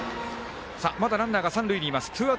まだランナーが三塁にいます。